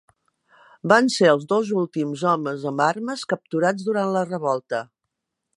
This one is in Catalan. Van ser els dos últims homes amb armes capturats durant la revolta.